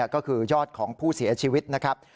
ก็คือยอดของผู้เสียชีวิตนะครับ